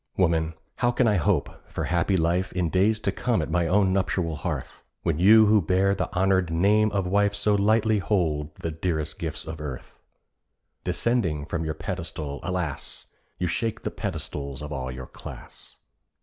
Woman, how can I hope for happy life In days to come at my own nuptial hearth, When you who bear the honoured name of wife So lightly hold the dearest gifts of earth? Descending from your pedestal, alas! You shake the pedestals of all your class.